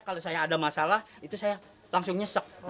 kalau saya ada masalah itu saya langsung nyesek